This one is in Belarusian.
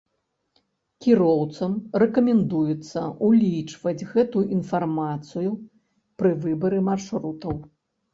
Кіроўцам рэкамендуецца ўлічваць гэтую інфармацыю пры выбары маршрутаў.